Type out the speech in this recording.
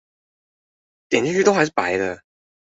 點進去都還是白的